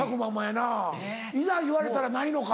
いざ言われたらないのか？